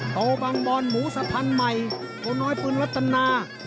โตบางบอลหมูสะพันธุ์ใหม่โตน้อยปืนรัตนา